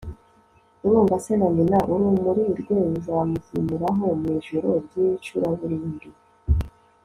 uvuma se na nyina, urumuri rwe ruzamuzimiraho mu ijoro ry'icuraburindi